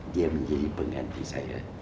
dia menjadi pengganti saya